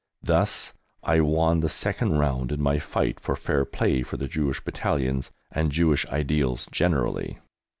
Thus I won the second round in my fight for fair play for the Jewish Battalions and Jewish ideals generally.